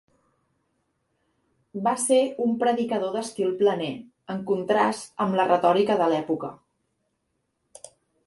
Va ser un predicador d'estil planer, en contrast amb la retòrica de l'època.